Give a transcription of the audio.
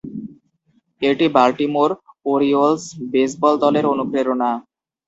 এটি Baltimore Orioles baseball দলের অনুপ্রেরণা।